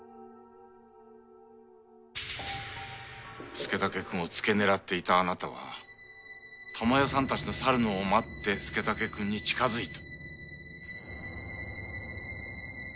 佐武くんをつけ狙っていたあなたは珠世さんたちの去るのを待って佐武くんに近づいた。